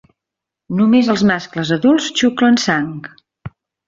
Només els mascles adults xuclen sang.